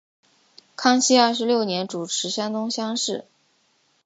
康熙二十六年主持山东乡试。